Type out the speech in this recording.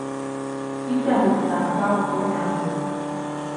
ʼIjtyajuʼucnaʼajk paʼutuwidaʼmbä.